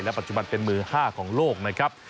ปัจจุบันเป็นมือ๕ของโลกนะครับ